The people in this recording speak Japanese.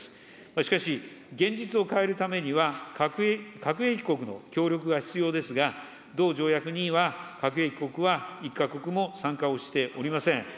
しかし、現実を変えるためには、核兵器国の協力が必要ですが、同条約には、核兵器国は一か国も参加をしておりません。